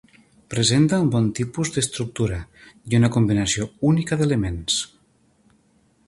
Presenta un nou tipus d'estructura, i una combinació única d'elements.